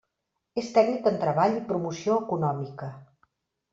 És tècnic en treball i promoció econòmica.